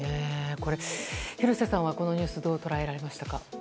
廣瀬さんはこのニュースどう捉えられましたか？